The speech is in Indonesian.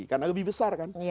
karena lebih besar kan